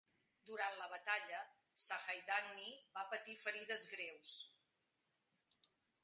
Durant la batalla, Sahaidachny va patir ferides greus.